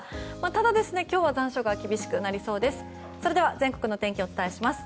ただ、今日は残暑が厳しくなりそうです。